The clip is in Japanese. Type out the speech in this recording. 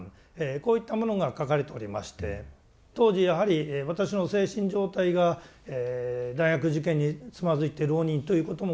こういったものが書かれておりまして当時やはり私の精神状態が大学受験につまずいて浪人ということもございまして